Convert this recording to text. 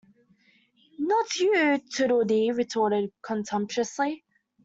‘Not you!’ Tweedledee retorted contemptuously.